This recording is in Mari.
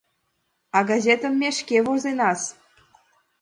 А газетым ме шке возенас...